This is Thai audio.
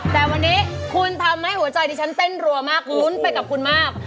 แต่วันนี้คุณทำให้หัวใจดิฉันเต้นรัวมากลุ้นไปกับคุณมาก